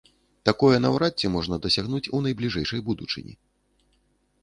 Такое наўрад ці можна дасягнуць у найбліжэйшай будучыні.